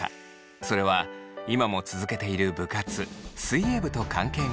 それは今も続けている部活水泳部と関係があります。